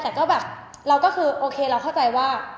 แต่ก็แบบเราก็คือโอเคเราเข้าใจว่า